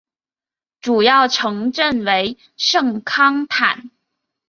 主要城镇为圣康坦。